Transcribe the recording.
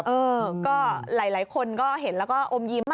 เออก็หลายคนก็เห็นแล้วก็อมยิ้ม